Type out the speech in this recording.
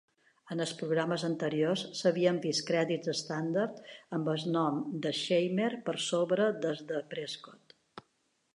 En els programes anteriors s'havien vist crèdits estàndard amb el nom de Scheimer per sobre del de Prescott.